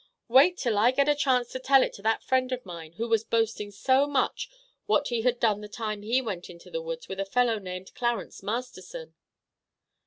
Wait till I get a chance to tell it to that friend of mine, who was boasting so much what he had done the time he went into the woods with a fellow named Clarence Masterson."